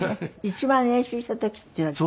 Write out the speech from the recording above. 一番練習した時っていうのは？